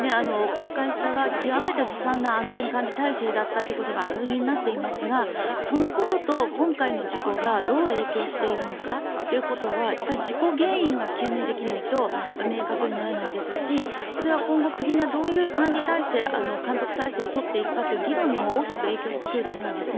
この会社は極めてずさんな安全管理体制だったということが明るみになっていますがそのことと今回の事故がどう影響しているのかということは事故原因が究明できないと明確にならないですしそれは今後国がどういう管理体制監督体制を取っていくかという議論にも大きく影響してくると思うんです。